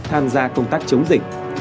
tham gia công tác chống dịch